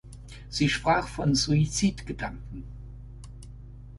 Sie sprach von Suizidgedanken.